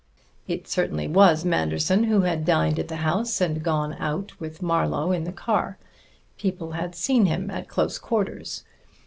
It was certainly Manderson who had dined at the house and gone out with Marlowe in the car. People had seen him at close quarters.